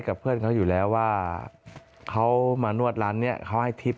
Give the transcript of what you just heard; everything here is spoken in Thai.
กับเพื่อนเขาอยู่แล้วว่าเขามานวดร้านนี้เขาให้ทิพย์